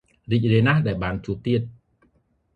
រីករាយណាស់ដែលបានជួបទៀត។